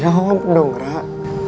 jawab dong rahat